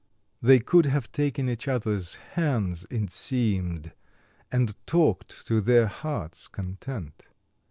They could have taken each other's hands, it seemed, and talked to their hearts' content.